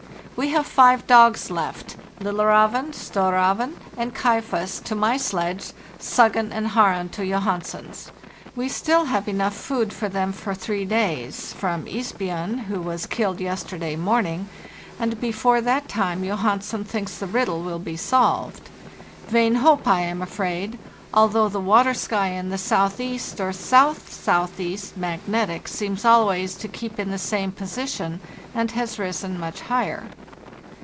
We have 5 dogs left ('Lillerzeven, 'Storrazven,' and 'Kaifas' to my sledge, 'Suggen' and ' Haren' to Johan sen's). We still have enough food for them for three days, from ' Isbjon, who was killed yesterday morning ; and before that time Johansen thinks the riddle will be solved. Vain hope, I am afraid, although the water sky in the southeast or south southeast (magnetic) seems. al ways to keep in the same position and has risen much higher.